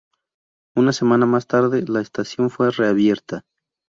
Una semana más tarde, la estación fue reabierta.